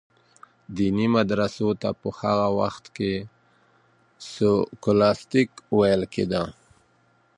دیني مدرسو ته په هغه وخت کي سکولاستیک ویل کیده.